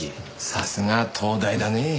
さすがは東大だねぇ。